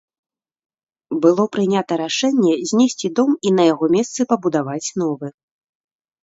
Было прынята рашэнне знесці дом і на яго месцы пабудаваць новы.